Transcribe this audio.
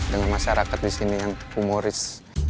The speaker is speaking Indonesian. dengan masyarakat di sini yang humoris